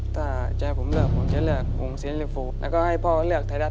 ถ้าใจผมเลือกผมจะเลือกวงเซียลิฟูแล้วก็ให้พ่อเลือกไทยรัฐ